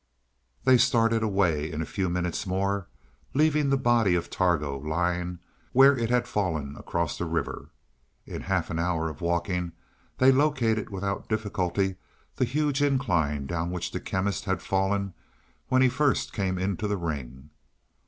They started away in a few minutes more, leaving the body of Targo lying where it had fallen across the river. In half an hour of walking they located without difficulty the huge incline down which the Chemist had fallen when first he came into the ring.